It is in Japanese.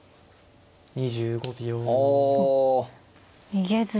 逃げずに。